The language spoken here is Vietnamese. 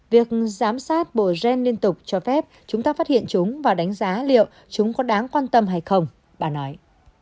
việc giám sát bộ gen liên tục cho phép chúng ta phát hiện chúng và đánh giá liệu chúng có đáng quan tâm hay không bà nói